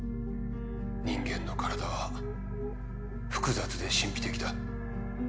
人間の体は複雑で神秘的だ。